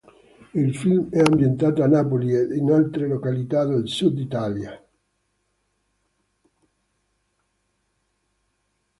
Il film è ambientato a Napoli ed in altre località del sud Italia.